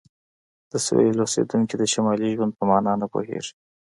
د سویل اوسیدونکي د شمالي ژوند په معنی نه پوهیږي